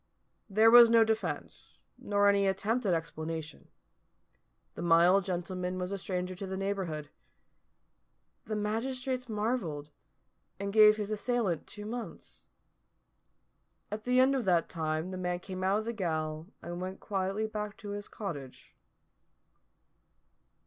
There was no defence, nor any attempt at explanation. The mild gentleman was a stranger to the neighbourhood. The magistrates marvelled, and gave his assailant two months. At the end of that time the man came out of gaol and went quietly back to his cottage.